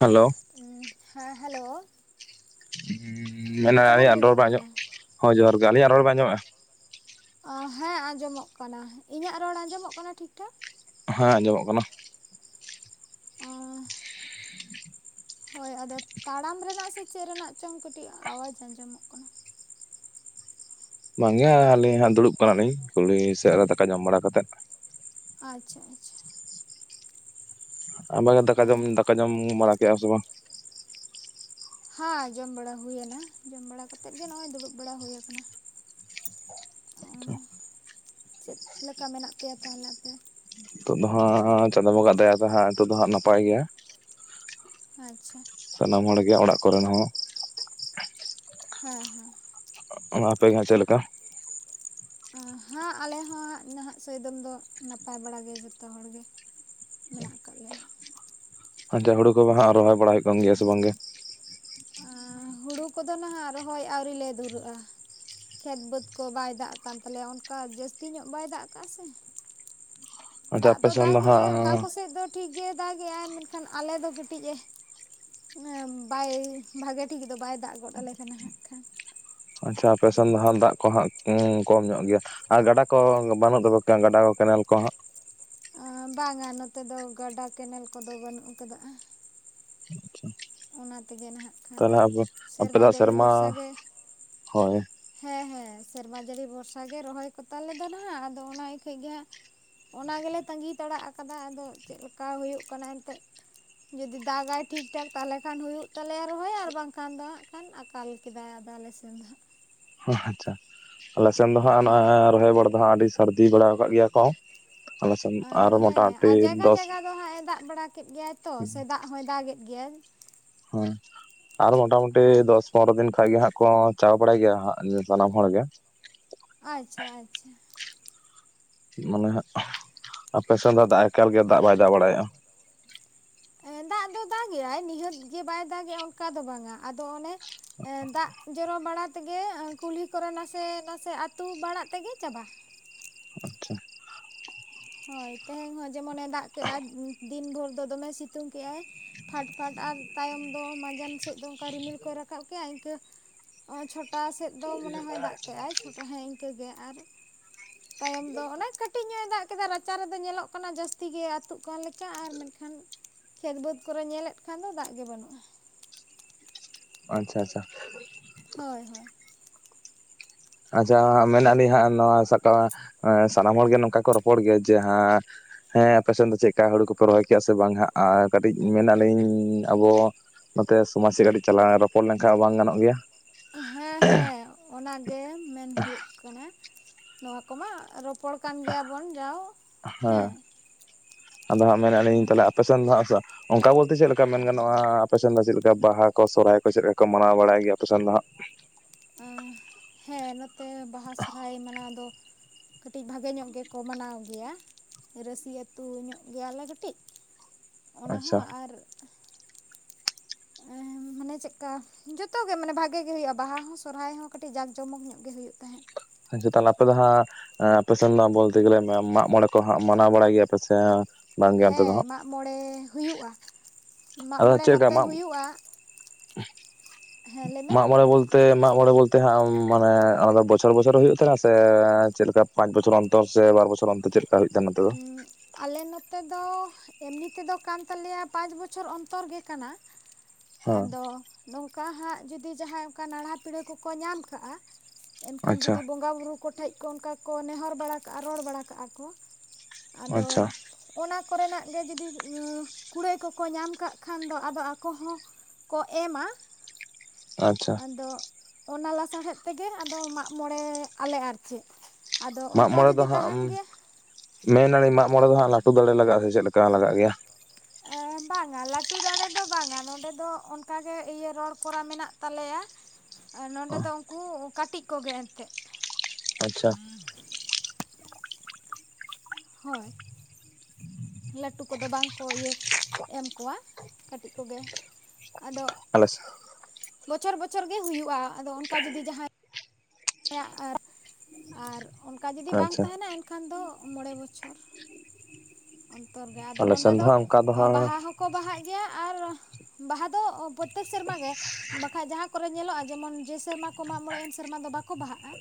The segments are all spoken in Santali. ᱦᱮᱞᱳ᱾ ᱩᱸ, ᱦᱮᱸ ᱦᱮᱞᱳ᱾ ᱩᱸᱻ ᱢᱟᱱᱮ ᱡᱚᱦᱟᱨ ᱜᱮ ᱟᱹᱞᱤᱧᱟᱜ ᱨᱚᱲ ᱵᱮᱱ ᱜᱚᱢᱠᱮ ᱟᱸᱡᱚᱢᱚᱜ, ᱦᱳᱭ ᱡᱚᱦᱟᱨ ᱜᱮ, ᱟᱹᱞᱤᱧᱟᱜ ᱨᱚᱲ ᱵᱮᱱ ᱟᱸᱡᱚᱢᱮᱜ -ᱟ? ᱦᱮᱸ ᱟᱸᱡᱚᱢᱚᱜ ᱠᱟᱱᱟ᱾ ᱤᱧᱟᱹᱜ ᱨᱚᱲ ᱟᱸᱡᱚᱢᱚᱜ ᱠᱟᱱᱟ ᱴᱷᱤᱠ ᱴᱷᱟᱠ? ᱦᱮᱸ ᱟᱸᱡᱚᱢᱚᱜ ᱠᱟᱱᱟ᱾ ᱚᱻ ᱦᱳᱭ ᱟᱫᱚ ᱛᱟᱲᱟᱢ ᱨᱮᱱᱟᱜ ᱥᱮ ᱪᱮᱫ ᱨᱮᱱᱟᱜ ᱪᱚᱝ ᱠᱟᱹᱴᱤᱡ ᱟᱣᱟᱡ ᱟᱸᱡᱚᱢᱚᱜ ᱠᱟᱱᱟ᱾ ᱵᱟᱝ ᱜᱮᱭᱟ ᱟᱹᱞᱤᱧ ᱦᱟᱸᱜ ᱫᱩᱲᱩᱵ ᱠᱟᱱᱟ ᱞᱤᱧ ᱠᱩᱞᱦᱤ ᱥᱮᱫ ᱨᱮ ᱫᱟᱠᱟ ᱡᱚᱢ ᱵᱟᱲᱟ ᱠᱟᱛᱮᱫ᱾ ᱟᱪᱪᱷᱟ, ᱟᱪᱪᱷᱟ᱾ [unintelligible] ᱫᱟᱠᱟ ᱡᱚᱢ -ᱫᱟᱠᱟ ᱡᱚᱢ ᱵᱟᱲᱟ ᱠᱮᱜᱼᱟ ᱥᱮ ᱵᱟᱝ? ᱦᱟ ᱡᱚᱢ ᱵᱟᱲᱟ ᱦᱩᱭᱱᱟ ᱡᱚᱢ ᱵᱟᱲᱟ ᱠᱟᱛᱮᱫ ᱜᱮ ᱱᱚᱜ ᱚᱭ ᱫᱩᱲᱩᱵ ᱵᱟᱲᱟ ᱦᱳᱭ ᱟᱠᱟᱱᱟ᱾ ᱚ ᱪᱮᱫ ᱞᱮᱠᱟ ᱢᱮᱱᱟᱜ ᱯᱮᱭᱟ ᱛᱟᱦᱚᱞᱮ ᱟᱯᱮ? ᱱᱤᱛᱚᱜ ᱫᱚ ᱦᱟᱸᱜ ᱪᱟᱸᱫᱚ ᱵᱚᱸᱜᱟ ᱫᱟᱭᱟ ᱛᱮ ᱦᱟᱸᱜ ᱱᱤᱛᱚᱜ ᱫᱚ ᱦᱟᱸᱜ ᱱᱟᱯᱟᱭ ᱜᱮᱭᱟ᱾ ᱟᱪᱪᱷᱟ᱾ ᱥᱟᱱᱟᱢ ᱦᱚᱲᱜᱮ ᱚᱲᱟᱜ ᱠᱚᱨᱮᱱ ᱦᱚᱸ᱾ ᱦᱮᱸ ᱦᱮᱸ᱾ ᱟᱯᱮ ᱜᱮ ᱦᱟᱸᱜ ᱪᱮᱫ ᱞᱮᱠᱟ? ᱟᱸ ᱦᱟᱸ ᱟᱞᱮ ᱦᱚᱸ ᱦᱟᱸᱜ ᱱᱟᱦᱟᱜ ᱥᱚᱭᱫᱚᱢ ᱫᱚ ᱱᱟᱯᱟᱭ ᱵᱟᱲᱟ ᱜᱮ ᱡᱚᱛᱚ ᱦᱚᱲᱜᱮ᱾ ᱢᱮᱱᱟᱜ ᱟᱠᱟᱫ ᱞᱮᱭᱟ᱾ ᱟᱪᱪᱷᱟ ᱦᱩᱲᱩ ᱠᱚᱵᱚ ᱦᱟᱸᱜ ᱨᱚᱦᱚᱭ ᱵᱟᱲᱟᱭ ᱦᱩᱭᱩᱜ ᱠᱟᱱ ᱜᱮᱭᱟ ᱥᱮ ᱵᱟᱝᱜᱮ? ᱟᱸ ᱦᱩᱲᱩ ᱠᱚᱫᱚ ᱱᱟᱦᱟᱸᱜ ᱨᱚᱦᱚᱭ ᱟᱹᱣᱨᱤ ᱞᱮ ᱫᱷᱩᱨᱟᱹᱜᱼᱟ᱾ ᱠᱷᱮᱛ ᱵᱟᱹᱫᱽ ᱠᱚ ᱵᱟᱭ ᱫᱟᱜ ᱠᱟᱱ ᱛᱟᱞᱮᱭᱟ ᱚᱱᱠᱟ ᱡᱟᱹᱥᱛᱤ ᱧᱚᱜ ᱵᱟᱭ ᱫᱟᱜ ᱠᱟᱜᱼᱟ ᱥᱮ᱾ ᱟᱪᱪᱷᱟ ᱫᱟᱜ ᱟᱯᱮ ᱫᱚ ᱥᱮᱱ ᱦᱟᱸᱜ ᱫᱟᱜᱮᱜᱼᱟᱭ ᱚᱠᱟ ᱠᱚᱥᱮᱫ ᱫᱚ ᱴᱷᱤᱠ ᱜᱮ ᱫᱟᱜᱮᱜ-ᱟᱭ ᱢᱮᱱᱠᱷᱟᱱ ᱟᱞᱮ ᱫᱚ ᱠᱟᱹᱴᱤᱡ-ᱮ ᱮᱸ ᱵᱟᱭ ᱵᱷᱟᱜᱮ ᱴᱷᱤᱠ ᱫᱚ ᱵᱟᱭ ᱫᱟᱜ ᱜᱚᱫ ᱟᱞᱮ ᱠᱟᱱᱟ ᱦᱟᱸᱜ ᱠᱷᱟᱱ᱾ ᱟᱪᱪᱷᱟ ᱟᱯᱮ ᱥᱮᱱ ᱫᱚ ᱦᱟᱸᱜ ᱫᱟᱜ ᱠᱚ ᱦᱟᱸᱜ ᱩᱸ ᱠᱚᱢ ᱧᱚᱜ ᱜᱮᱭᱟ᱾ ᱟᱨ ᱜᱟᱰᱟ ᱠᱚ ᱵᱟᱹᱱᱩᱜ ᱛᱟᱯᱮ ᱠᱟ ᱜᱟᱰᱟ ᱠᱚ ᱠᱮᱱᱮᱞ ᱠᱚ ᱦᱟᱸᱜ? ᱟ ᱵᱟᱝᱟ ᱱᱚᱛᱮ ᱫᱚ ᱜᱟᱰᱟ ᱠᱮᱱᱮᱞ ᱠᱚᱫᱚ ᱵᱟᱹᱱᱩᱜ ᱟᱠᱟᱫᱟ ᱟ᱾ ᱛᱮᱜᱮ ᱱᱟᱦᱟᱜ ᱠᱷᱟᱱ ᱛᱟᱦᱚᱞᱮ ᱟᱨ ᱟᱯᱮ ᱟᱯᱮ ᱫᱚ ᱦᱟᱸᱜ ᱡᱟᱹᱲᱤ ᱥᱮᱨᱢᱟ ᱵᱷᱚᱨᱥᱟ ᱜᱮ ᱦᱳᱭ᱾ ᱦᱮᱸ ᱦᱮᱸ ᱥᱮᱨᱢᱟ ᱡᱟᱹᱲᱤ ᱵᱷᱚᱨᱥᱟ ᱜᱮ ᱨᱚᱦᱚᱭ ᱠᱚᱛᱟ ᱞᱮ ᱫᱚ ᱱᱟᱦᱟᱜ ᱟᱫᱚ ᱚᱱᱟ ᱤᱠᱷᱟᱡ ᱜᱮ ᱦᱟᱸᱜ ᱚᱱᱟ ᱜᱮᱞᱮ ᱛᱟᱹᱜᱤ ᱛᱟᱲᱟᱜ ᱟᱠᱟᱫᱟ ᱟᱫᱚ ᱪᱮᱫ ᱞᱮᱠᱟ ᱦᱳᱭᱳᱜ ᱠᱟᱱᱟ ᱮᱱᱛᱮᱫ᱾ ᱡᱩᱫᱤ ᱫᱟᱜᱟᱭ ᱴᱷᱤᱠ ᱴᱷᱟᱠ ᱛᱟᱦᱚᱞᱮ ᱠᱷᱟᱱ ᱦᱩᱭᱩᱜ ᱛᱟᱞᱮᱭᱟ ᱨᱚᱦᱚᱭ ᱟᱨ ᱵᱟᱝᱠᱷᱟᱱ ᱫᱚ ᱦᱟᱸᱜ ᱠᱷᱟᱱ ᱟᱜ ᱛᱟᱞ ᱠᱮᱫᱟᱭ ᱟᱫᱚ ᱟᱞᱮ ᱥᱮᱱ ᱫᱚ ᱦᱟᱸᱜ᱾ ᱚ ᱟᱪᱪᱷᱟ, ᱟᱞᱮ ᱥᱮᱱ ᱫᱚ ᱦᱟᱸᱜ ᱚᱱᱟ ᱨᱚᱦᱚᱭ ᱵᱟᱲᱟ ᱫᱚ ᱦᱟᱸᱜ ᱟᱹᱰᱤ ᱥᱟᱨᱫᱤ ᱵᱟᱲᱟᱣ ᱟᱠᱟᱫ ᱜᱮᱭᱟ ᱠᱚ᱾ ᱟᱞᱮ ᱥᱮᱱ ᱟ ᱟᱨ ᱦᱮᱸ ᱢᱚᱴᱟᱢᱩᱴᱤ ᱟᱨ ᱡᱟᱭᱜᱟ ᱫᱚᱥ ᱡᱟᱭᱜᱟ ᱫᱚ ᱦᱟᱸᱜ-ᱮ ᱫᱟᱜ ᱵᱟᱲᱟ ᱠᱮᱫ ᱜᱮᱭᱟᱭ ᱛᱚ ᱥᱮ ᱫᱟᱜ ᱦᱚᱸᱭ ᱫᱟᱜᱮᱫ ᱜᱮᱭᱟᱭ᱾ ᱦᱳᱭ ᱟᱨ ᱢᱚᱴᱟᱢᱩᱴᱤ ᱦᱳᱭ ᱫᱚᱥ ᱯᱚᱱᱨᱚ ᱫᱤᱱ ᱠᱷᱟᱡ ᱜᱮ ᱦᱟᱸᱜ ᱠᱚ ᱪᱟᱵᱟ ᱵᱟᱲᱟᱭ ᱜᱮᱭᱟ ᱦᱟᱸᱜ ᱥᱟᱱᱟᱢ ᱦᱚᱲ ᱜᱮ᱾ ᱟᱪᱪᱷᱟ ᱟᱪᱪᱷᱟ᱾ ᱢᱟᱱᱮ ᱦᱟᱸᱜ ᱟᱯᱮ ᱥᱮᱱ ᱫᱚ ᱫᱟᱜ ᱮᱠᱟᱞᱜᱮ ᱫᱟᱜ ᱵᱟᱭ ᱫᱟᱜ ᱵᱟᱲᱟᱭᱮᱜᱼᱟ᱾ ᱫᱟᱜ ᱫᱚ ᱫᱟᱜᱮ-ᱟᱭ ᱱᱤᱦᱟᱹᱛ ᱜᱮ ᱵᱟᱭ ᱫᱟᱜᱮᱼᱟ ᱚᱱᱠᱟ ᱫᱚ ᱵᱟᱝᱟ, ᱟᱫᱚ ᱚᱱᱮ ᱮᱸ ᱫᱟᱜ ᱡᱚᱨᱚ ᱵᱟᱲᱟ ᱛᱮᱜᱮ ᱮᱸ ᱠᱩᱞᱦᱤ ᱠᱚᱨᱮ ᱱᱟᱥᱮ ᱱᱟᱥᱮ ᱟᱹᱛᱩ ᱵᱟᱲᱟᱜ ᱛᱮᱜᱮ ᱪᱟᱵᱟ᱾ ᱟᱪᱪᱷᱟ᱾ ᱦᱳᱭ ᱛᱮᱦᱮᱧ ᱦᱚᱸ ᱡᱮᱢᱚᱱᱮ ᱫᱟᱜ ᱠᱮᱜ-ᱟᱭ ᱫᱤᱱ ᱵᱷᱳᱨ ᱫᱚ ᱫᱚᱢᱮ ᱥᱤᱛᱩᱝ ᱠᱮᱜ-ᱟᱭ᱾ ᱯᱷᱟᱴ ᱯᱷᱟᱴ ᱟᱨ ᱛᱟᱭᱚᱢ ᱫᱚ ᱢᱟᱸᱡᱟᱱ ᱥᱮᱫ ᱫᱚ ᱚᱱᱠᱟ ᱨᱤᱢᱤᱞ ᱠᱚᱭ ᱨᱟᱠᱟᱵ ᱠᱮᱜᱼᱟ ᱤᱱᱠᱟᱹ ᱚᱸ ᱪᱷᱚᱴᱟ ᱥᱮᱫ ᱫᱚ ᱢᱚᱱᱮ ᱦᱚᱭ ᱫᱟᱜ ᱠᱮᱜ-ᱟᱭ ᱪᱷᱚᱴᱟ ᱦᱮᱸ ᱤᱱᱠᱟᱹ ᱜᱮ ᱟᱨ ᱛᱟᱭᱚᱢ ᱫᱚ ᱚᱱᱮ ᱠᱟᱹᱴᱤᱡ ᱧᱚᱜ-ᱮ ᱫᱟᱜ ᱠᱮᱫᱟ ᱨᱟᱪᱟ ᱨᱮᱫᱚ ᱧᱮᱞᱚᱜ ᱠᱟᱱᱟ ᱡᱟᱹᱥᱛᱤ ᱜᱮ ᱟᱹᱛᱩᱜ ᱠᱟᱱ ᱞᱮᱠᱟ ᱟᱨ ᱢᱮᱱᱠᱷᱟᱱ ᱠᱷᱮᱛ ᱵᱟᱹᱫᱽ ᱠᱚᱨᱮ ᱧᱮᱞᱮᱫ ᱠᱷᱟᱱ ᱫᱚ ᱫᱟᱜ ᱜᱮ ᱵᱟᱹᱱᱩᱜ-ᱟ᱾ ᱟᱪᱪᱷᱟ ᱟᱪᱪᱷᱟ᱾ ᱦᱳᱭ ᱦᱳᱭ᱾ ᱟᱪᱪᱷᱟ ᱢᱮᱱᱟᱜ ᱞᱤᱧ ᱦᱟᱸᱜ ᱱᱚᱣᱟ ᱥᱟᱠᱟᱣᱟ ᱮᱸ ᱥᱟᱱᱟᱢ ᱦᱚᱲ ᱜᱮ ᱱᱚᱝᱠᱟ ᱠᱚ ᱨᱚᱯᱚᱲ ᱜᱮᱭᱟ ᱡᱮ ᱦᱟᱸ ᱦᱮᱸ ᱟᱯᱮ ᱥᱮᱫ ᱫᱚ ᱪᱮᱫᱠᱟ ᱦᱩᱲᱩ ᱠᱚᱯᱮ ᱨᱚᱦᱚᱭ ᱠᱮᱜ-ᱟ ᱥᱮ ᱵᱟᱝ ᱦᱟᱸᱜ ᱟᱨ ᱠᱟᱹᱴᱤᱡ ᱢᱮᱱᱟᱞᱤᱧ ᱟᱵᱚ ᱱᱚᱛᱮ ᱥᱚᱢᱟᱡ ᱥᱮᱡ ᱠᱟᱹᱴᱤᱡ ᱪᱟᱞᱟᱣ ᱨᱚᱯᱚᱲ ᱞᱮᱱᱠᱷᱟᱡ ᱦᱚᱸ ᱵᱟᱝ ᱜᱟᱱᱚᱜ ᱜᱮᱭᱟ? ᱦᱮᱸ ᱦᱮᱸ ᱚᱱᱟ ᱜᱮ ᱢᱮᱱ ᱦᱩᱭᱩᱜ ᱠᱟᱱᱟ ᱱᱚᱣᱟ ᱠᱚᱢᱟ ᱨᱚ ᱯᱚᱲ ᱠᱟᱱ ᱜᱮᱭᱟᱵᱚᱱ ᱡᱟᱣ ᱦᱮᱸ᱾ ᱟᱫᱚ ᱦᱟᱸᱜ ᱢᱮᱱᱮ-ᱟ ᱞᱤᱧ ᱛᱟᱞᱦᱮ ᱟᱯᱮ ᱥᱮᱫ ᱫᱚ ᱦᱟᱸᱜ ᱥᱮ ᱚᱱᱠᱟ ᱵᱚᱞᱛᱮ ᱪᱮᱫ ᱞᱮᱠᱟ ᱢᱮᱱ ᱜᱟᱱᱚᱜ-ᱟ ᱟᱯᱮ ᱥᱮᱱ ᱫᱚ ᱪᱮᱫ ᱞᱮᱠᱟ ᱵᱟᱦᱟ ᱠᱚ ᱥᱚᱨᱦᱟᱭ ᱠᱚ ᱪᱮᱫ ᱞᱮᱠᱟ ᱠᱚ ᱢᱟᱱᱟᱣ ᱵᱟᱲᱟᱭ ᱜᱮᱭᱟ ᱟᱯᱮ ᱥᱮᱱ ᱫᱚ ᱦᱟᱸᱜ? ᱦᱮᱸ ᱱᱚᱛᱮ ᱵᱟᱦᱟ ᱥᱚᱨᱦᱟᱭ ᱢᱟᱱᱟᱣ ᱫᱚ ᱠᱟᱹᱴᱤᱡ ᱵᱷᱟᱜᱮ ᱧᱚᱜ ᱜᱮᱠᱚ ᱢᱟᱱᱟᱣ ᱜᱮᱭᱟ᱾ ᱨᱟᱹᱥᱤ ᱟᱹᱛᱩ ᱧᱚᱜ ᱜᱮᱭᱟᱞᱮ ᱠᱟᱹᱴᱤᱡ ᱚᱱᱟ ᱟᱪᱪᱷᱟ ᱦᱚᱸ ᱟᱨ ᱮ ᱢᱟᱱᱮ ᱪᱮᱫᱠᱟ ᱡᱚᱛᱚ ᱜᱮ ᱢᱟᱱᱮ ᱵᱷᱟᱜᱮ ᱜᱮ ᱦᱩᱭᱩᱜ-ᱟ ᱵᱟᱦᱟ ᱦᱚᱸ ᱥᱚᱨᱦᱟᱭ ᱦᱚᱸ ᱠᱟᱹᱴᱤᱡ ᱡᱟᱸᱠ ᱡᱚᱢᱚᱠ ᱧᱚᱜ ᱜᱮ ᱦᱩᱭᱩᱜ ᱛᱟᱦᱮᱸᱫ᱾ [unintelligible] ᱟᱯᱮ ᱫᱚ ᱦᱟᱸᱜ ᱟᱯᱮ ᱥᱮᱱ ᱫᱚ ᱵᱚᱞᱛᱮ ᱜᱮᱞᱮ ᱢᱟᱜᱽ ᱢᱚᱬᱮ ᱠᱚ ᱦᱟᱸᱜ ᱢᱟᱱᱟᱣ ᱵᱟᱲᱟᱭ ᱜᱮᱭᱟ ᱯᱮᱥᱮ ᱵᱟᱝ? ᱦᱮᱸ ᱢᱟᱜᱢᱚᱬᱮ ᱦᱩᱭᱩᱜ-ᱟ᱾ ᱟᱫᱚ ᱪᱮᱜᱠᱟ ᱢᱟᱜᱽ ᱦᱮᱸ ᱞᱟᱹᱭ ᱢᱮ ᱢᱟᱜ ᱢᱚᱬᱮ ᱵᱚᱞᱛᱮ ᱛᱮ ᱢᱟᱜᱢᱚᱬᱮ ᱵᱚᱞᱛᱮ ᱦᱟᱸᱜ ᱢᱟᱱᱮ ᱚᱱᱟᱫᱚ ᱵᱚᱪᱷᱚᱨ ᱵᱚᱪᱷᱚᱨ ᱦᱩᱭᱩᱜ ᱛᱟᱦᱮᱱᱟ ᱥᱮ ᱪᱮᱫ ᱞᱮᱠᱟ ᱯᱟᱸᱪ ᱵᱪᱷᱚᱨ ᱚᱱᱛᱚᱨ ᱥᱮ ᱵᱟᱨ ᱵᱚᱪᱚᱨ ᱚᱱᱛᱚᱨ ᱪᱮ ᱩᱻᱜ ᱟᱞᱮ ᱱᱚᱛᱮ ᱫᱚ ᱮᱢᱱᱤ ᱛᱮᱫᱚ ᱠᱟᱱ ᱛᱟᱞᱮᱭᱟ ᱯᱟᱸᱪ ᱵᱚᱪᱷᱚᱨ ᱚᱱᱛᱚᱨ ᱜᱮ ᱠᱟᱱᱟ᱾ ᱦᱮᱸ ᱟᱫᱚ ᱱᱚᱝᱠᱟ ᱦᱟᱸᱜ ᱡᱩᱫᱤ ᱡᱟᱦᱟᱸᱭ ᱚᱱᱠᱟ ᱱᱟᱲᱦᱟ ᱯᱤᱲᱦᱟᱹ ᱠᱚᱠᱚ ᱧᱟᱢ ᱠᱟᱜ-ᱟ ᱮᱱᱠᱷᱟᱱ ᱟᱪᱪᱷᱟ ᱡᱩᱫᱤ ᱵᱚᱸᱜᱟ ᱵᱩᱨᱩ ᱠᱚᱴᱷᱮᱡ ᱠᱚ ᱚᱱᱠᱟ ᱠᱚ ᱱᱮᱦᱚᱨ ᱵᱟᱲᱟ ᱠᱟᱜ-ᱟ ᱨᱚᱲ ᱵᱟᱲᱟ ᱠᱟᱜ-ᱟ ᱠᱚ ᱟᱫᱚ ᱟᱪᱪᱷᱟ ᱚᱱᱟ ᱠᱚᱨᱮᱱᱟᱜ ᱜᱮ ᱡᱩᱫᱤ ᱠᱩᱲᱟᱹᱭ ᱠᱚᱠᱚ ᱧᱟᱢ ᱠᱟᱜ ᱠᱷᱟᱱ ᱫᱚ ᱟᱫᱚ ᱟᱠᱚ ᱦᱚᱸ ᱠᱚ ᱮᱢᱟ᱾ ᱟᱪᱪᱷᱟ ᱟᱫᱚ ᱚᱱᱟ ᱞᱟᱥᱟᱲᱦᱮᱫ ᱛᱮᱜᱮ ᱟᱫᱚ ᱢᱟᱜ ᱢᱚᱬᱮ ᱟᱞᱮ ᱟᱨ ᱪᱮᱫ᱾ ᱟᱫᱚ ᱚᱱᱠᱟ ᱡᱩᱫᱤ ᱛᱟᱦᱮᱱ ᱜᱮᱭᱟ ᱢᱮᱱᱟᱞᱤ ᱢᱟᱜ ᱢᱚᱬᱮ ᱫᱚ ᱦᱟᱸᱜ ᱞᱟᱹᱴᱩ ᱫᱟᱲᱮ ᱞᱟᱜᱟᱜ-ᱟ ᱥᱮ ᱪᱮᱫ ᱞᱮᱠᱟ ᱞᱟᱜᱟᱜ ᱜᱮᱭᱟ? ᱮ ᱵᱟᱝᱟ ᱞᱟᱹᱴᱩ ᱫᱟᱲᱮ ᱫᱚ ᱵᱟᱝᱟ ᱱᱚᱸᱰᱮ ᱫᱚ ᱚᱱᱠᱟᱜᱮ ᱤᱭᱟᱹ ᱨᱚᱲ ᱠᱚᱨᱟ ᱢᱮᱱᱟᱜ ᱛᱟᱞᱮᱭᱟ ᱟᱨ ᱱᱚᱸᱰᱮ ᱫᱚ ᱩᱱᱠᱩ ᱠᱟᱹᱴᱤᱡ ᱠᱚᱜᱮ ᱮᱱᱛᱮ ᱟᱪᱪᱷᱟ ᱦᱳᱭ ᱞᱟᱹᱴᱩ ᱠᱚᱫᱚ ᱵᱟᱝ ᱠᱚ ᱤᱭᱟᱹ ᱮᱢ ᱠᱚᱣᱟ ᱠᱟᱹᱴᱤᱡ ᱠᱚᱜᱮ ᱟᱫᱚ ᱟᱞᱮ ᱥᱮᱜᱦᱚᱸ ᱵᱚᱪᱷᱚᱨ ᱵᱚᱪᱷᱚᱨ ᱜᱮ ᱦᱩᱭᱩᱜ-ᱟ ᱟᱫᱚ ᱚᱱᱠᱟ ᱡᱩᱫᱤ ᱡᱟᱦᱟᱸᱭ ᱠᱮᱭᱟᱜ ᱟᱨ ᱚᱱᱠᱟ ᱡᱩᱫᱤ ᱵᱟᱝ ᱟᱪᱪᱷᱟ ᱛᱟᱦᱮᱱᱟ ᱮᱱᱠᱷᱟᱱ ᱫᱚ ᱢᱚᱬᱮ ᱵᱚᱪᱷᱚᱨ ᱚᱱᱛᱚᱨ ᱜᱮ ᱟᱫᱚ ᱟᱞᱮ ᱱᱚᱸᱰᱮ ᱥᱮᱱ ᱫᱚ ᱦᱟᱸᱜ ᱚᱱᱠᱟ ᱦᱟᱸᱜ ᱵᱟᱦᱟ ᱦᱚᱸᱠᱚ ᱵᱟᱦᱟᱜ ᱜᱮᱭᱟ ᱟᱨ ᱵᱟᱦᱟ ᱫᱚ ᱯᱨᱚᱛᱛᱮᱠ ᱥᱮᱨᱢᱟ ᱜᱮ ᱵᱟᱠᱷᱟᱡ ᱡᱟᱦᱟᱸ ᱠᱚᱨᱮᱜ ᱧᱮᱞᱚᱜ-ᱟ ᱡᱮᱢᱚᱱ ᱡᱮ ᱥᱮᱨᱢᱟ ᱠᱚ ᱢᱟᱜ ᱢᱚᱬᱮᱜ-ᱟ ᱮᱱ ᱥᱮᱨᱢᱟ ᱫᱚ ᱵᱟᱠᱚ ᱵᱟᱦᱟᱜ-ᱟ᱾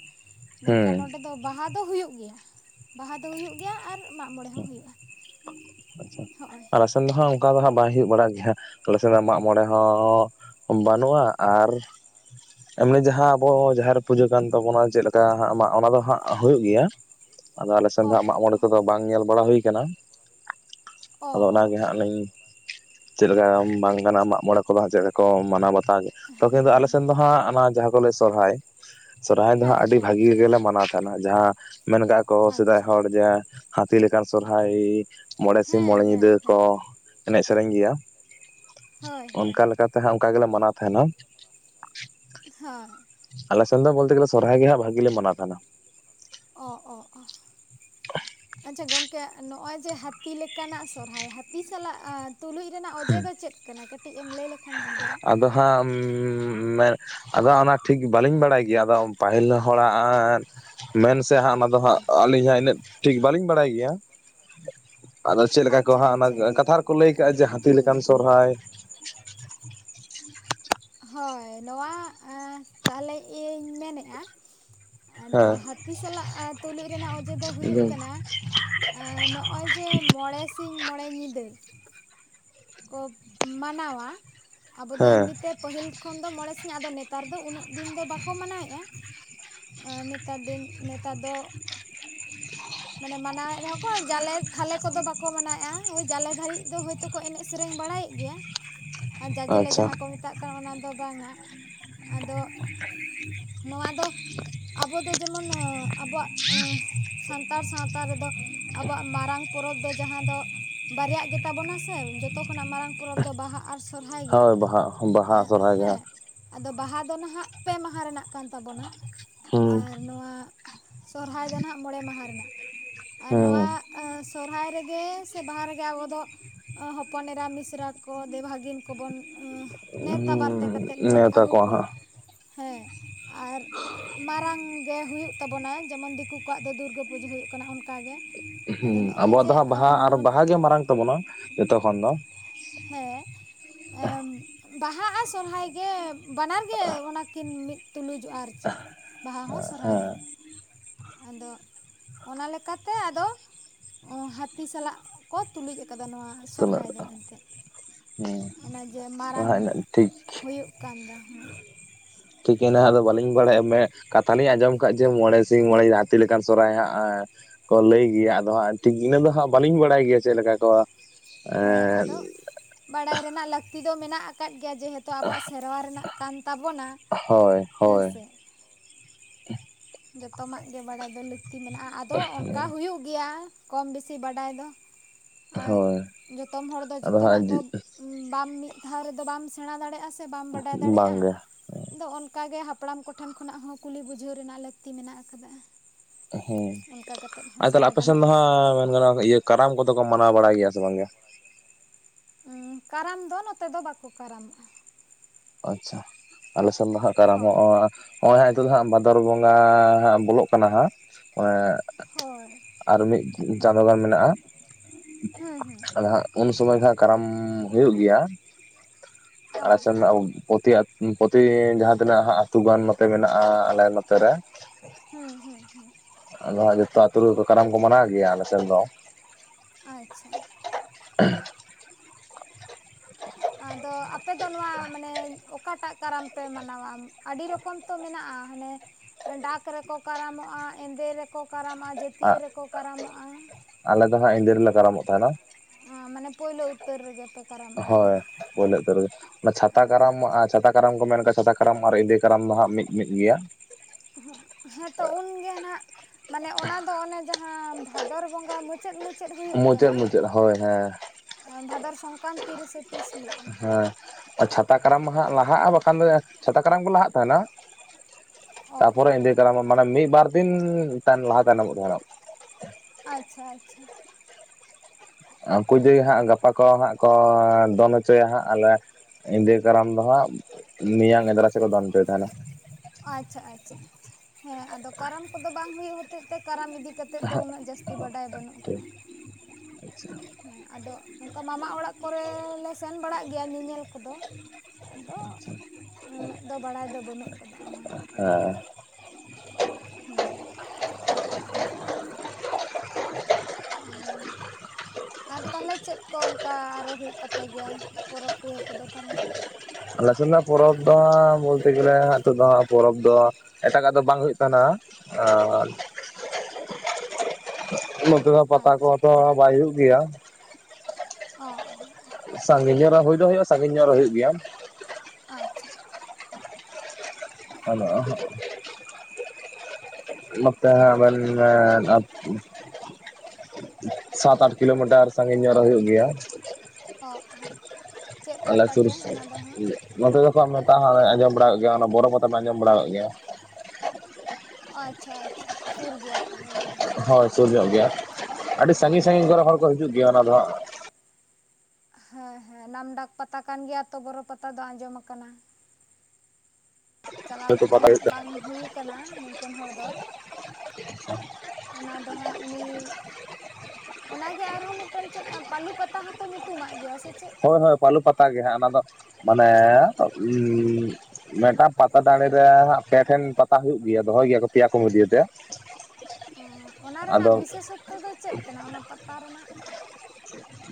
ᱢᱮᱱᱠᱷᱟᱱ ᱦᱩᱸ ᱱᱚᱸᱰᱮ ᱫᱚ ᱵᱟᱦᱟ ᱫᱚ ᱦᱩᱭᱩᱜ ᱜᱮᱭᱟ ᱵᱟᱦᱟ ᱫᱚ ᱦᱩᱭᱩᱜ ᱜᱮᱭᱟ ᱟᱨ ᱢᱟᱜ ᱢᱚᱬᱮ ᱦᱚᱸ ᱦᱩᱭᱩᱜ-ᱟ᱾ ᱦᱚᱜ-ᱚᱭ ᱟᱞᱮ ᱥᱮᱱ ᱫᱚ ᱦᱟᱸᱜ ᱚᱱᱠᱟ ᱫᱚ ᱦᱟᱸᱜ ᱵᱟᱭ ᱦᱳᱭᱳᱜ ᱵᱟᱲᱟᱜ ᱜᱮᱭᱟ ᱟᱞᱮ ᱥᱮᱱ ᱫᱚ ᱢᱟᱜ ᱢᱚᱬᱮ ᱦᱚᱸ ᱵᱟᱹᱱᱩᱜ-ᱟ ᱟᱨ ᱮᱢᱱᱤ ᱡᱟᱦᱟᱸ ᱟᱵᱚ ᱡᱟᱦᱮᱨ ᱯᱩᱡᱟᱹ ᱠᱟᱱ ᱛᱟᱵᱚᱱᱟ ᱪᱮᱫᱞᱮᱠᱟ ᱟᱢ ᱚᱱᱟ ᱫᱚ ᱦᱟᱸᱜ ᱦᱩᱭᱩᱜ ᱜᱮᱭᱟ᱾ ᱟᱫᱚ ᱟᱞᱮ ᱥᱮᱱ ᱫᱚ ᱚ ᱦᱟᱜ ᱚ ᱢᱟᱜᱢᱚᱬᱮ ᱠᱚᱫᱚ ᱵᱟᱝ ᱧᱮᱞ ᱵᱟᱲᱟ ᱦᱩᱭ ᱠᱟᱱᱟ᱾ ᱚ ᱟᱫᱚ ᱚ ᱚᱱᱟᱜᱮ ᱦᱟᱸᱜ ᱞᱤᱧ [unintelligible] ᱪᱮᱜ ᱞᱮᱠᱟ ᱵᱟᱝ ᱠᱟᱱᱟ ᱢᱟᱜ ᱢᱚᱬᱮ ᱠᱚᱫᱚ ᱪᱮᱫ ᱞᱮᱠᱟ ᱠᱚ ᱢᱟᱱᱟᱣ ᱵᱟᱛᱟᱣ-ᱟ ᱛᱚᱵᱮ ᱫᱚ ᱦᱮᱸ ᱟᱞᱮ ᱥᱮᱱ ᱫᱚ ᱦᱟᱸᱜ ᱚᱱᱟ ᱡᱟᱦᱟᱸ ᱫᱚᱞᱮ ᱥᱚᱦᱨᱟᱭ ᱥᱚᱨᱦᱟᱭ ᱫᱚ ᱦᱮᱸ ᱦᱟᱸᱜ ᱟᱹᱰᱤ ᱦᱮᱸ ᱵᱷᱟᱜᱮ ᱜᱮᱞᱮ ᱢᱟᱱᱟᱣ ᱛᱟᱦᱮᱱᱟ ᱡᱟᱦᱟᱸ ᱢᱮᱱ ᱠᱟᱜ ᱠᱚ ᱥᱮᱫᱟᱭ ᱟᱪᱪᱷᱟ ᱦᱚᱲ ᱡᱮ ᱦᱟᱹᱛᱤ ᱞᱮᱠᱟᱱ ᱥᱚᱨᱦᱟᱭ ᱢᱚᱬᱮ ᱥᱤᱧ ᱦᱮᱸ ᱢᱚᱬᱮ ᱦᱮᱸ ᱧᱤᱫᱟᱹ ᱠᱚ ᱦᱮᱸ ᱮᱱᱮᱡ ᱥᱮᱨᱮᱧ ᱜᱮᱭᱟ ᱦᱳᱭ ᱦᱳᱭ ᱚᱱᱠᱟ ᱞᱮᱠᱟᱛᱮ ᱛᱟᱞᱦᱮ ᱚᱝᱠᱟ ᱜᱮᱞᱮ ᱢᱟᱱᱟᱣ ᱛᱟᱸᱦᱮᱱᱟ᱾ ᱦᱮᱸ᱾ ᱟᱞᱮ ᱥᱮᱱ ᱫᱚ ᱵᱚᱞᱛᱮ ᱜᱮᱞᱮ ᱥᱚᱨᱦᱟᱭ ᱜᱮ ᱦᱟᱸᱜ ᱵᱷᱟᱹᱜᱤ ᱞᱮ ᱢᱟᱱᱟᱣ ᱛᱟᱸᱦᱮᱱᱟ᱾ ᱚ ᱚ ᱚ᱾ ᱟᱪᱪᱷᱟ ᱜᱚᱝᱠᱮ ᱱᱚᱜ-ᱚᱭ ᱡᱮ ᱦᱟᱹᱛᱤ ᱞᱮᱠᱟᱱᱟᱜ ᱥᱚᱨᱦᱟᱭ, ᱦᱟᱹᱛᱤ ᱥᱟᱞᱟᱜ ᱛᱩᱞᱩᱡ ᱨᱮᱱᱟᱜ ᱚᱡᱮ ᱫᱚ ᱪᱮᱫ ᱠᱟᱱᱟ ᱠᱟᱹᱴᱤᱡ ᱮᱢ ᱞᱟᱹᱭ ᱞᱮᱠᱷᱟᱱ ᱵᱷᱟᱜᱮᱜ-ᱟ᱾ [unintelligible] ᱟᱫᱚ ᱚᱱᱟ ᱴᱷᱤᱠ ᱵᱟᱹᱞᱤᱧ ᱵᱟᱲᱟᱭ ᱜᱮᱭᱟ ᱟᱫᱚ ᱯᱟᱹᱦᱤᱞ ᱦᱚᱲᱟᱜ ᱢᱮᱱ ᱥᱮ ᱦᱟᱸᱜ ᱚᱱᱟ ᱫᱚ ᱦᱟᱸᱜ ᱟᱹᱞᱤᱧ ᱦᱟᱸᱜ ᱤᱱᱟᱹᱜ ᱴᱷᱤᱠ ᱵᱟᱹᱞᱤᱧ ᱵᱟᱲᱟᱭ ᱜᱮᱭᱟ᱾ ᱟᱫᱚ ᱪᱮᱫ ᱞᱮᱠᱟ ᱠᱚ ᱟᱪᱪᱷᱟ ᱦᱟᱸᱜ ᱟᱪᱪᱷᱟ ᱚᱱᱟ ᱠᱟᱛᱷᱟ ᱨᱮᱠᱚ ᱞᱟᱹᱭ ᱠᱟᱜ-ᱟ ᱡᱮ ᱦᱟᱹᱛᱤ ᱞᱮᱠᱟᱱ ᱥᱚᱨᱦᱟᱭ᱾ [inaudible] ᱦᱳᱭ ᱱᱚᱣᱟ ᱛᱟᱦᱞᱮ ᱤᱧ ᱢᱮᱱᱮᱜ-ᱟ᱾ ᱱᱚᱣᱟ ᱦᱮᱸ ᱦᱟᱹᱛᱤ ᱥᱟᱞᱟᱜ ᱛᱩᱞᱩᱡ ᱨᱮᱱᱟᱜ ᱚᱡᱮ ᱫᱚ ᱦᱩᱭᱩᱜ ᱠᱟᱱᱟ ᱮᱸᱻ ᱱᱚᱜ-ᱚᱭ ᱡᱮ ᱢᱚᱬᱮ ᱥᱤᱧ ᱢᱚᱬᱮ ᱧᱤᱫᱟᱹ ᱠᱚ ᱢᱟᱱᱟᱣᱟ᱾ ᱟᱵᱚ ᱫᱚ ᱦᱮᱸ ᱮᱢᱱᱤᱛᱮ ᱯᱟᱹᱦᱤᱞ ᱠᱷᱚᱱ ᱫᱚ ᱢᱚᱬᱮ ᱥᱤᱧ, ᱟᱫᱚ ᱱᱮᱛᱟᱨ ᱫᱚ ᱩᱱᱟᱹᱜ ᱫᱤᱱ ᱫᱚ ᱵᱟᱠᱚ ᱢᱟᱱᱟᱣᱮᱜ-ᱟ᱾ ᱮᱸᱻ ᱱᱮᱛᱟᱨ ᱫᱤᱱ, ᱱᱮᱛᱟᱨ ᱫᱚ ᱢᱟᱱᱮ ᱢᱟᱱᱟᱣᱮᱜ ᱨᱮᱦᱚᱸ ᱠᱚ ᱡᱟᱞᱮ ᱛᱷᱟᱞᱮ ᱠᱚᱫᱚ ᱵᱟᱠᱚ ᱢᱟᱱᱟᱣᱮᱜ-ᱟ᱾ ᱦᱳᱭ ᱡᱟᱞᱮ ᱫᱷᱟᱹᱨᱤᱡ ᱫᱚ ᱦᱳᱭᱛᱳ ᱠᱚ ᱮᱱᱮᱡ ᱥᱮᱨᱮᱧ ᱵᱟᱲᱟᱭᱮᱫ ᱜᱮᱭᱟ, ᱟᱨ ᱡᱟᱡᱞᱮ ᱟᱪᱪᱷᱟ ᱡᱟᱦᱟᱸ ᱠᱚ ᱢᱮ ᱢᱮᱛᱟᱜ ᱠᱟᱱᱟ ᱚᱱᱟ ᱫᱚ ᱵᱟᱝᱟ, ᱟᱫᱚ ᱱᱚᱣᱟ ᱫᱚ ᱟᱵᱚ ᱫᱚ ᱡᱮᱢᱚᱱ ᱟᱵᱚᱣᱟᱜ ᱥᱟᱱᱛᱟᱲ ᱥᱟᱶᱛᱟ ᱨᱮᱫᱚ ᱟᱵᱚᱣᱟᱜ ᱢᱟᱨᱟᱝ ᱯᱚᱨᱚᱵᱽ ᱫᱚ ᱡᱟᱦᱟᱸ ᱫᱚ ᱵᱟᱨᱭᱟᱜ ᱜᱮᱛᱟᱵᱚᱱᱟ ᱥᱮ ᱡᱚᱛᱚ ᱠᱷᱚᱱᱟᱜ ᱢᱟᱨᱟᱝ ᱯᱚᱨᱚᱵᱽ ᱫᱚ ᱵᱟᱦᱟ ᱟᱨ ᱥᱚᱨᱦᱟᱭ ᱜᱮ, ᱦᱳᱭ ᱵᱟᱦᱟ ᱵᱟᱦᱟ ᱮᱸᱜ ᱥᱚᱨᱦᱟᱭ ᱜᱮ ᱦᱮᱸ᱾ ᱦᱟᱸᱜ ᱟᱫᱚ ᱵᱟᱦᱟ ᱫᱚ ᱱᱟᱦᱟᱜ ᱯᱮ ᱢᱟᱦᱟᱸ ᱨᱮᱱᱟᱜ ᱠᱟᱱ ᱛᱟᱵᱚᱱᱟ ᱦᱩᱸ ᱟᱨ ᱱᱚᱣᱟ ᱥᱚᱨᱦᱟᱭ ᱫᱚ ᱱᱟᱦᱟᱜ ᱢᱚᱬᱮ ᱢᱟᱦᱟ ᱨᱮᱱᱟᱜ᱾ ᱟᱨ ᱦᱩᱸ ᱱᱚᱣᱟ ᱥᱚᱨᱦᱟᱭ ᱨᱮᱜᱮ ᱥᱮ ᱵᱟᱦᱟ ᱨᱮᱜᱮ ᱟᱵᱚ ᱫᱚ ᱦᱚᱯᱚᱱ ᱮᱨᱟ ᱢᱤᱥᱨᱟ ᱠᱚ ᱫᱮᱹᱣ ᱵᱷᱟᱹᱜᱤᱱ ᱠᱚᱵᱚᱱ ᱱᱮᱣᱛᱟ ᱵᱟᱨᱛᱮ ᱦᱩᱸ ᱠᱟᱛᱮᱫ ᱵᱚᱱ ᱱᱮᱣᱛᱟ ᱟᱹᱜᱩ ᱠᱚᱣᱟ᱾ ᱦᱟᱸᱜ ᱦᱮᱸ ᱟᱨ ᱢᱟᱨᱟᱝ ᱜᱮ ᱦᱩᱭᱩᱜ ᱛᱟᱵᱚᱱᱟ᱾ ᱡᱮᱢᱚᱱ ᱫᱤᱠᱩ ᱠᱚᱣᱟᱜ ᱫᱚ ᱫᱩᱨᱜᱟᱹ ᱯᱩᱡᱟᱹ ᱦᱩᱭᱩᱜ ᱠᱟᱱᱟ ᱚᱱᱠᱟ ᱜᱮ᱾ ᱦᱩᱸ, ᱟᱵᱚᱣᱟᱜ ᱫᱚ ᱦᱟᱸᱜ ᱵᱟᱦᱟ ᱟᱨ ᱵᱟᱦᱟᱜ ᱜᱮ ᱢᱟᱨᱟᱝ ᱛᱟᱵᱚᱱᱟ ᱡᱚᱛᱚ ᱠᱷᱚᱱ ᱫᱚ᱾ ᱦᱮᱸ, ᱵᱟᱦᱟ ᱟᱨ ᱥᱚᱨᱦᱟᱭ ᱜᱮ ᱵᱟᱱᱟᱨ ᱜᱮ ᱚᱱᱟ ᱠᱤᱱ ᱢᱤᱫ ᱛᱩᱞᱩᱡᱚᱜ-ᱟ ᱟᱨ ᱪᱮᱫ ᱵᱟᱦᱟ ᱦᱚᱸ ᱥᱚᱨᱦᱟᱭ ᱦᱚᱸ᱾ ᱦᱮᱸ ᱟᱫᱚ ᱚᱱᱟ ᱞᱮᱠᱟᱛᱮ ᱟᱫᱚ ᱦᱟᱹᱛᱤ ᱥᱟᱞᱟᱜ ᱠᱚ ᱛᱩᱞᱩᱡ ᱟᱠᱟᱫᱟ ᱱᱚᱣᱟ ᱛᱤᱱᱟᱹᱜ ᱥᱚᱨᱦᱟᱭ ᱫᱚ ᱮᱱᱛᱮᱫ᱾ ᱦᱩᱸ, ᱚᱱᱟ ᱡᱮ ᱢᱟᱨᱟᱝ ᱚᱱᱟ ᱤᱱᱟᱹᱜ ᱴᱷᱤᱠ᱾ ᱦᱩᱭᱩᱜ ᱠᱟᱱ ᱫᱚ ᱦᱮᱸ ᱴᱷᱤᱠᱟᱹᱱᱟ ᱟᱫᱚ ᱵᱟᱹᱞᱤᱧ ᱵᱟᱲᱟᱭᱟ ᱢᱮ ᱠᱟᱛᱷᱟ ᱞᱤᱧ ᱟᱸᱡᱚᱢ ᱠᱟᱜ ᱡᱮ ᱢᱚᱬᱮ ᱥᱤᱧ ᱢᱚᱬᱮ ᱧᱤᱫᱟᱹ, ᱦᱟᱹᱛᱤ ᱞᱮᱠᱟᱱ ᱥᱚᱦᱨᱟᱭ ᱦᱟᱸᱜ ᱠᱚ ᱞᱟᱹᱭ ᱜᱮᱭᱟ, ᱟᱫᱚ ᱦᱟᱸᱜ ᱴᱷᱤᱠ ᱤᱱᱟᱹ ᱫᱚ ᱦᱟᱸᱜ ᱵᱟᱹᱞᱤᱧ ᱵᱟᱲᱟᱭ ᱜᱮᱭᱟ ᱪᱮᱫ ᱞᱮᱠᱟ ᱠᱚ ᱦᱮᱸ ᱮᱸ ᱟᱫᱚ ᱵᱟᱲᱟᱭ ᱨᱮᱱᱟᱜ ᱞᱟᱹᱠᱛᱤ ᱫᱚ ᱢᱮᱱᱟᱜ ᱟᱠ ᱟᱠᱟᱫ ᱜᱮᱭᱟ ᱡᱮᱦᱮᱛᱩ ᱟᱵᱚᱣᱟᱜ ᱥᱮᱨᱣᱟ ᱨᱮᱱᱟᱜ ᱠᱟᱱ ᱛᱟᱵᱚᱱᱟ ᱦᱳᱭ ᱦᱮᱸ ᱦᱳᱭ ᱥᱮ᱾ ᱡᱚᱛᱚᱱᱟᱜ ᱜᱮ ᱵᱟᱲᱟᱭ ᱫᱚ ᱞᱟᱹᱠᱛᱤ ᱢᱮᱱᱟᱜ-ᱟ, ᱟᱫᱚ ᱚᱱᱠᱟ ᱦᱩᱭᱩᱜ ᱜᱮᱭᱟ ᱠᱚᱢ ᱵᱤᱥᱤ ᱵᱟᱰᱟᱭ ᱫᱚ, ᱟᱨ ᱦᱳᱭ ᱡᱚᱛᱚᱱ ᱦᱚᱲ ᱫᱚ ᱟᱫᱚ ᱡᱚᱛᱚᱱᱟᱜ ᱦᱟᱸᱜ ᱫᱚ ᱵᱟᱢ, ᱢᱤᱫ ᱫᱷᱟᱣ ᱨᱮᱫᱚ ᱵᱟᱢ ᱥᱮᱬᱟ ᱫᱟᱲᱮᱜ-ᱟ ᱥᱮ ᱵᱟᱢ ᱵᱟᱰᱟᱭ ᱫᱟᱲᱮᱜ-ᱟ᱾ ᱵᱟᱝᱜᱮ ᱫᱚ ᱚᱱᱠᱟ ᱜᱮ ᱦᱟᱯᱲᱟᱢ ᱠᱚᱴᱷᱮᱱ ᱠᱷᱚᱱᱟᱜ ᱦᱚᱸ ᱠᱩᱞᱤ ᱵᱩᱡᱷᱟᱹᱣ ᱨᱮᱱᱟᱜ ᱞᱟᱹᱠᱛᱤ ᱢᱮᱱᱟᱜ ᱟᱠᱟᱫᱟ ᱾ ᱦᱮᱸ ᱟᱨ ᱛᱟᱦᱞᱮ ᱟᱯᱮ ᱥᱮᱱ ᱫᱚ ᱦᱟᱸᱜ ᱢᱮᱱ ᱜᱟᱱᱚᱜ ᱤᱭᱟᱹ ᱠᱟᱨᱟᱢ ᱠᱚᱫᱚ ᱠᱚ ᱢᱟᱱᱟᱣ ᱵᱟᱲᱟᱭ ᱜᱮᱭᱟ ᱥᱮ ᱵᱟᱝ ᱜᱮ ᱾ ᱠᱟᱨᱟᱢ ᱫᱚ ᱱᱚᱛᱮ ᱫᱚ ᱵᱟᱠᱚ ᱠᱟᱨᱟᱢᱚᱜᱼᱟ ᱾ ᱟᱪᱪᱷᱟ ᱟᱞᱮ ᱥᱮᱱ ᱫᱚ ᱦᱟᱸᱜ ᱦᱳᱭ ᱠᱟᱨᱟᱢᱚᱜᱼᱟ᱾ ᱱᱚᱜᱼᱚᱭ ᱦᱟᱸᱜ ᱱᱤᱛᱚᱜ ᱫᱚ ᱦᱟᱸᱜ ᱵᱷᱟᱫᱚᱨ ᱵᱚᱸᱜᱟ ᱦᱟᱸᱜ ᱵᱚᱞᱚᱜ ᱠᱟᱱᱟ ᱦᱟᱸᱜ ᱚᱱᱮ ᱦᱳᱭ᱾ ᱟᱨ ᱢᱤᱫ ᱪᱟᱸᱫᱚ ᱜᱟᱱ ᱢᱮᱱᱟᱜᱼᱟ ᱦᱩᱸ ᱦᱩᱸ ᱟᱫᱚ ᱦᱟᱸᱜ ᱩᱱ ᱥᱚᱢᱚᱭ ᱦᱟᱜ ᱠᱟᱨᱟᱢ ᱦᱳᱭᱳᱜ ᱜᱮᱭᱟ᱾ ᱚ ᱟᱞᱮ ᱥᱮᱱ ᱯᱚᱛᱤ, ᱯᱚᱛᱤ ᱡᱟᱦᱟ ᱛᱤᱱᱟᱹᱜ ᱟᱹᱛᱩ ᱜᱟᱱ ᱱᱚᱛᱮ ᱢᱮᱱᱟᱜᱼᱟ᱾ ᱟᱞᱮ ᱱᱚᱛᱮ ᱨᱮ ᱦᱩᱸ ᱦᱩᱸ ᱦᱩᱸ᱾ ᱟᱫᱚ ᱦᱟᱸᱜ ᱡᱚᱛᱚ ᱟᱹᱛᱩ ᱨᱮᱜᱮ ᱠᱚ ᱠᱟᱨᱟᱢ ᱠᱚ ᱢᱟᱱᱟᱣ ᱜᱮᱭᱟ ᱟᱞᱮ ᱥᱮᱱ ᱫᱚ ᱾ ᱟᱪᱪᱷᱟ᱾ [unintelligible] ᱟᱫᱚ ᱟᱯᱮ ᱫᱚ ᱱᱚᱣᱟ ᱢᱟᱱᱮ ᱚᱠᱟᱴᱟᱜ ᱠᱟᱨᱟᱢ ᱯᱮ ᱢᱟᱱᱟᱣᱟ ᱟᱹᱰᱤ ᱨᱚᱠᱚᱢ ᱛᱚ ᱢᱮᱱᱟᱜᱼᱟ ᱦᱟᱱᱮ ᱰᱟᱠ ᱨᱮᱠᱚ ᱠᱟᱨᱟᱢᱚᱜᱼᱟ ᱮᱸᱫᱮ ᱨᱮ ᱠᱚ ᱠᱟᱨᱟᱢᱚᱜᱼᱟ ᱡᱟᱹᱛᱤᱭᱟᱹ ᱨᱮᱠᱚ ᱠᱟᱨᱟᱢᱚᱜᱼᱟ ᱾ ᱟᱞᱮ ᱫᱚ ᱦᱟᱸᱜ ᱮᱸᱫᱮ ᱨᱮᱞᱮ ᱠᱟᱨᱟᱢᱚᱜ ᱛᱟᱦᱮᱱᱟ ᱾ ᱚ‌ ᱢᱟᱱᱮ ᱯᱳᱭᱞᱳ ᱩᱛᱟᱨ ᱨᱮᱜᱮ ᱾ ᱦᱳᱭ ᱯᱳᱭᱞᱳ ᱩᱛᱟᱹᱨ ᱨᱮᱜᱮ ᱚᱱᱟ ᱪᱷᱟᱛᱟ ᱠᱟᱨᱟᱢᱚᱜᱼᱟ ᱪᱷᱟᱛᱟ ᱠᱟᱨᱟᱢ ᱠᱚ ᱢᱮᱱ ᱠᱟᱜ-ᱟ ᱪᱷᱟᱛᱟ ᱠᱟᱨᱟᱢ ᱟᱨ ᱮᱸᱫᱮ ᱠᱟᱨᱟᱢ ᱫᱚ ᱦᱟᱸᱜ ᱢᱤᱫ ᱢᱤᱫ ᱜᱮᱭᱟ ᱾ ᱦᱮᱸᱛᱚ ᱩᱱᱜᱮ ᱱᱟᱜ ᱢᱟᱱᱮ ᱚᱱᱟ ᱫᱚ ᱚᱱᱮ ᱡᱟᱦᱟᱸ ᱵᱷᱟᱫᱚᱨ ᱵᱚᱸᱜᱟ ᱢᱩᱪᱟᱹᱫ ᱢᱩᱪᱟᱹ ᱪᱟᱹᱫ ᱦᱩᱭᱩᱜ ᱢᱩᱪᱟᱹᱫ ᱠᱟᱱᱟ ᱢᱩᱪᱟᱹᱫ ᱦᱳᱭ ᱦᱮᱸ ᱵᱷᱟᱫᱚᱨ ᱥᱚᱝᱠᱟᱱᱛᱤ ᱨᱮ ᱥᱮ ᱛᱤᱥ ᱦᱩᱭᱩᱜᱼᱟ ᱾ ᱟᱨ ᱪᱷᱟᱛᱟ ᱠᱟᱨᱟᱢ ᱢᱟ ᱦᱟᱜ ᱞᱟᱦᱟᱜᱼᱟ ᱵᱟᱠᱷᱟᱱ ᱫᱚ ᱪᱷᱟᱛᱟ ᱠᱟᱨᱟᱢ ᱜᱮ ᱞᱟᱦᱟᱜ ᱛᱟᱦᱮᱱ᱾ ᱚ ᱚ ᱛᱟᱯᱚᱨᱮ ᱮᱸᱫᱮ ᱠᱟᱨᱟᱢ ᱢᱟᱱᱮ ᱢᱤᱫᱵᱟᱨ ᱫᱤᱱ ᱞᱟᱦᱟ ᱛᱟᱭᱱᱚᱢᱚᱜ ᱛᱟᱦᱮᱱᱚᱜ᱾ ᱟᱪᱪᱷᱟ, ᱟᱪᱪᱷᱟ᱾ ᱠᱩᱫᱟᱹᱭ ᱦᱟᱸᱜ ᱜᱟᱯᱟ ᱠᱚ ᱦᱟᱸᱜ ᱠᱚ ᱫᱚᱱ ᱦᱚᱪᱚᱭᱟ ᱦᱟᱸᱜ ᱟᱞᱮ ᱮᱫᱮ ᱠᱟᱨᱟᱢ ᱫᱚ ᱦᱟᱸᱜ ᱢᱮᱭᱟᱝ ᱮᱫᱽᱨᱟ ᱥᱮᱫ ᱠᱚ ᱫᱚᱱ ᱦᱚᱪᱚᱭ ᱛᱟᱦᱮᱱᱟ᱾ ᱟᱪᱪᱷᱟ, ᱟᱪᱪᱷᱟ, ᱟᱪᱪᱷᱟ ᱦᱮᱸ ᱟᱫᱚ ᱠᱟᱨᱟᱢ ᱠᱚᱫᱚ ᱵᱟᱝ ᱦᱩᱭᱩᱜ ᱦᱚᱛᱮᱡ ᱛᱮ ᱠᱟᱨᱟᱢ ᱤᱫᱤ ᱠᱟᱛᱮᱜ ᱫᱚ ᱩᱱᱟᱹᱜ ᱡᱟᱹᱥ ᱛᱤ ᱵᱟᱰᱟᱭ ᱵᱟᱹᱱᱩᱜ ᱠᱟᱫᱟ ᱾ ᱦᱮᱸ ᱟᱫᱚ ᱱᱚᱝᱠᱟ ᱢᱟᱢᱟ ᱚᱲᱟᱜ ᱠᱚᱨᱮ ᱞᱮ ᱥᱮᱱ ᱵᱟᱲᱟᱜ ᱜᱮᱭᱟ ᱧᱮᱧᱮᱞ ᱠᱚᱫᱚ ᱾ ᱟᱫᱚ ᱩᱱᱟᱹᱜ ᱫᱚ ᱵᱟᱲᱟᱭ ᱫᱚ ᱵᱟᱹᱱᱩᱜ ᱠᱟᱫᱟ ᱚᱱᱟ ᱠᱚ ᱦᱮᱸ᱾ [unintelligible] ᱟᱨ ᱛᱟᱞᱦᱮ ᱪᱮᱫ ᱠᱚ ᱚᱱᱠᱟ ᱟᱨᱚ ᱦᱩᱭᱩᱜ ᱛᱟᱯᱮᱜ ᱜᱮᱭᱟ ᱯᱚᱨᱚᱵᱽ ᱯᱤᱦᱟᱹ ᱠᱚᱫᱚ ᱛᱟᱞᱦᱮ? ᱟᱞᱮ ᱥᱮᱱᱟᱜ ᱯᱚᱨᱚᱵᱽ ᱫᱚ ᱵᱚᱞᱛᱮ ᱜᱮᱞᱮ ᱦᱟᱜ ᱱᱤᱛᱚᱜ ᱫᱚ ᱦᱟᱜ ᱯᱚᱨᱚᱵᱽ ᱫᱚ ᱮᱴᱟᱜᱟᱜ ᱫᱚ ᱵᱟᱝ ᱦᱩᱭᱩᱜ ᱛᱟᱦᱮᱱᱟ ᱟᱨ [inaudible] ᱱᱚᱛᱮ ᱫᱚ ᱦᱟᱜ ᱯᱟᱛᱟ ᱠᱚ ᱟᱪᱪᱷᱟ ᱦᱚᱸᱛᱚ ᱵᱟᱭ ᱦᱩᱭᱩᱜ ᱜᱮᱭᱟ ᱾ ᱚ, ᱚ᱾ ᱥᱟᱸᱜᱤᱧ ᱧᱚᱜ ᱨᱮ ᱦᱩᱭ ᱫᱚ ᱦᱩᱭᱩᱜᱼᱟ ᱥᱟᱸᱜᱤᱧ ᱧᱚᱜ ᱨᱮ ᱦᱩᱭᱩᱜ ᱜᱮᱭᱟ᱾ ᱟᱪᱪᱷᱟ᱾ [unintelligible] ᱱᱚᱛᱮ ᱦᱟᱸᱜ ᱢᱮᱱ ᱢᱮ ᱥᱟᱛ ᱟᱴ ᱠᱤᱞᱳᱢᱤᱴᱟᱨ ᱥᱟᱸᱜᱤᱧ ᱧᱚᱜ ᱨᱮ ᱦᱳᱭᱳᱜ ᱜᱮᱭᱟ᱾ ᱚᱜ ᱚ, ᱪᱮᱫ ᱟᱞᱮ ᱯᱟᱛᱟ ᱥᱩᱨ ᱪᱚᱝ ᱥᱮᱜ ᱚᱱᱟ ᱫᱚ ᱦᱟᱸᱜ ᱮᱸ ᱱᱚᱣᱟ ᱫᱚᱛᱮ ᱫᱚᱠᱚ ᱢᱮᱛᱟ ᱦᱟᱜ ᱟᱸᱡᱚᱢ ᱵᱟᱲᱟ ᱟᱠᱟᱫ ᱜᱮᱭᱟ, ᱚᱱᱟ ᱵᱳᱨᱳ ᱯᱟᱛᱟ ᱯᱮ ᱟᱸᱡᱚᱢ ᱵᱟᱲᱟ ᱟᱠᱟᱫ ᱜᱮᱭᱟ? ᱟᱪᱪᱷᱟ ᱟᱪᱪᱷᱟ ᱥᱩᱨ ᱜᱮᱭᱟ ᱛᱟᱞᱦᱮ ᱵᱟᱝ? ᱦᱳᱭ ᱥᱩᱨ ᱧᱚᱜ ᱜᱮᱭᱟ, ᱟᱹᱰᱤ ᱚ ᱥᱟᱺᱜᱤᱧ ᱥᱟᱺᱜᱤᱧ ᱠᱚᱨᱮ ᱦᱚᱲ ᱠᱚ ᱦᱤᱡᱩᱜ ᱜᱮᱭᱟ ᱚᱱᱟ ᱫᱚ ᱦᱟᱸᱜ ᱾ ᱦᱮᱸ ᱦᱮᱸ ᱱᱟᱢᱰᱟᱠ ᱯᱟᱛᱟ ᱠᱟᱱ ᱜᱮᱭᱟ ᱛᱚ ᱵᱳᱨᱳ ᱯᱟᱛᱟ ᱫᱚ, ᱟᱸᱡᱚᱢ ᱟᱠᱟᱱᱟ᱾ ᱪᱟᱞᱟᱣ ᱞᱟᱹᱴᱩ ᱠᱚᱫᱚ ᱯᱟᱛᱟ ᱦᱩᱭᱩᱜ ᱱᱷᱟᱸᱜ ᱠᱟᱱᱟ ᱵᱟᱝ ᱦᱩᱭ ᱭᱟᱠᱟᱱᱟ ᱱᱤᱝ ᱠᱟᱹᱱ ᱦᱚᱲ ᱫᱚ, ᱚᱱᱟ ᱫᱚ ᱦᱟᱸᱜ ᱩᱱᱤᱼᱼ ᱚᱱᱟᱜᱮ ᱟᱨᱦᱚᱸ ᱢᱤᱫᱴᱟᱹᱱ ᱪᱮᱫ ᱯᱟᱹᱞᱩ ᱯᱟᱛᱟ ᱦᱚᱸᱠᱚ ᱧᱩᱛᱩᱢᱟᱜ ᱜᱮᱭᱟ ᱥᱮ ᱪᱮᱫ? ᱦᱳᱭ ᱦᱳᱭ ᱯᱟᱹᱞᱩ ᱯᱟᱛᱟ ᱜᱮ ᱦᱟᱸᱜ ᱚᱱᱟ ᱫᱚ ᱢᱟᱱᱮᱻ ᱩᱸ ᱼᱼ ᱢᱮᱫ ᱴᱟᱝ ᱯᱟᱛᱟ ᱫᱟᱲᱮ ᱨᱮ ᱱᱷᱟᱸᱜ ᱯᱮ ᱴᱷᱮᱱ ᱯᱟᱛᱟ ᱦᱩᱭᱩᱜ ᱜᱮᱭᱟ ᱫᱚᱦᱚᱭ ᱜᱮᱭᱟ ᱠᱚ ᱯᱮᱭᱟ ᱠᱚᱢᱤᱰᱤᱭᱟᱹ ᱛᱮ᱾ ᱚᱸᱻ ᱚᱱᱟ ᱨᱮᱱᱟᱜ ᱵᱤᱥᱮᱼᱥᱚᱛ ᱛᱚ ᱫᱚ ᱪᱮᱫ ᱠᱟᱱᱟ ᱚᱱᱟ ᱯᱟᱛᱟ ᱨᱮᱱᱟᱜ?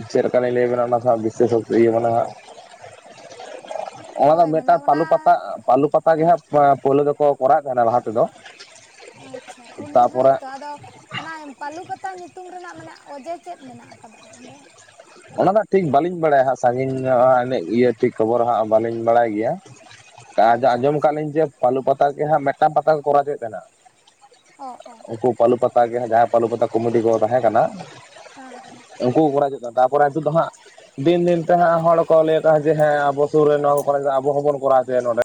ᱪᱮᱫ ᱞᱮᱠᱟ ᱞᱤᱧ ᱞᱟᱹᱭ ᱟᱹᱵᱤᱱᱟ ᱚᱱᱟ ᱥᱟᱜ ᱵᱤᱥᱮᱥᱚᱛ ᱤᱭᱟᱹ ᱢᱟᱱᱮ ᱱᱷᱟᱸᱜ? ᱚᱱᱟ ᱫᱚ ᱦᱳᱭ ᱢᱟᱱᱮ ᱢᱮᱫᱴᱟᱜ ᱚᱱᱟ ᱯᱟᱹᱞᱩ ᱯᱟᱛᱟᱜ, ᱯᱟᱹᱞᱩ ᱯᱟᱛᱟ ᱜᱮ ᱦᱟᱸᱜᱼᱼ ᱢᱟ ᱯᱳᱭᱞᱳ ᱫᱚᱠᱚ ᱠᱚᱨᱟᱣᱮᱫ ᱛᱟᱦᱮᱸᱱᱟ ᱞᱟᱦᱟ ᱛᱮᱫᱚ, ᱟᱪᱪᱷᱟ, ᱩᱸᱰᱮ ᱛᱟᱯᱚᱨᱮ ᱦᱟᱭᱛᱟ ᱟᱫᱚᱼᱼ ᱚᱱᱟᱭ ᱯᱟᱹᱞᱩ ᱯᱟᱛᱟ ᱧᱩᱛᱩᱢ ᱨᱮᱱᱟᱜ ᱢᱟᱱᱮ ᱚᱡᱮ ᱪᱮᱫ ᱢᱮᱱᱟᱜ ᱟᱠᱟᱫᱟᱜᱼᱟ ᱚᱸᱰᱮ? ᱚᱱᱟ ᱫᱚ ᱴᱷᱤᱠ ᱵᱟᱹᱞᱤᱧ ᱵᱟᱲᱟᱭᱟ ᱦᱟᱸᱜ ᱥᱟᱸᱜᱤᱧ ᱧᱚᱸᱜ ᱦᱟᱸᱜ ᱱᱤᱜ ᱤᱭᱟᱹ ᱛᱷᱤ ᱠᱷᱚᱵᱚᱨ ᱦᱟᱸᱜ ᱵᱟᱹᱞᱤᱧ ᱵᱟᱲᱟᱭ ᱜᱮᱭᱟ᱾ [inaudible] ᱛᱟ ᱡᱮ, ᱟᱪᱪᱷᱟ ᱟᱸᱡᱚᱢ ᱟᱪᱪᱷᱟ ᱠᱟᱜᱼᱟᱹᱞᱤᱧ ᱡᱮ ᱯᱟᱹᱞᱩ ᱯᱟᱛᱟ ᱜᱮ ᱦᱟᱸᱜ ᱢᱮᱫᱴᱟᱝ ᱯᱟᱛᱟ ᱠᱚ ᱠᱚᱨᱟᱣ ᱚᱪᱚᱭᱮᱫ ᱛᱟᱸᱦᱮᱱᱟ᱾ ᱦᱚᱸᱜ ᱚᱸ᱾ ᱩᱸᱠᱩ ᱯᱟᱹᱞᱩ ᱯᱟᱛᱟ ᱜᱮ ᱦᱟᱸᱜ ᱡᱟᱦᱟᱸᱭ ᱯᱟᱹᱞᱩ ᱯᱟᱛᱟ ᱠᱚᱢᱤᱰᱤ ᱠᱚ ᱛᱟᱦᱮᱸ ᱠᱟᱱᱟ ᱦᱚᱸ ᱦᱮᱸ᱾ ᱠᱩ ᱠᱚᱨᱟᱣ ᱚᱪᱚ ᱪᱮᱫ ᱫᱟ, ᱫᱟ ᱯᱚᱨᱟ ᱫᱚ ᱦᱟᱸᱜᱼᱼ ᱫᱤᱱ ᱫᱤᱱ ᱛᱮ ᱦᱟᱸᱜ ᱦᱚᱲ ᱠᱚ ᱞᱟᱹᱭ ᱦᱟᱠᱚᱼᱦᱟ ᱡᱮ ᱦᱮᱸ ᱟᱵᱚ ᱥᱩᱨ ᱨᱮ ᱱᱚᱣᱟ ᱠᱚ ᱠᱚᱨᱟᱣ ᱚᱪᱚ ᱭᱮᱫ, ᱟᱵᱚ ᱦᱚᱸᱵᱚᱱ ᱠᱚᱨᱟᱣ ᱦᱚᱪᱚᱭᱟ ᱱᱚᱸᱰᱮ᱾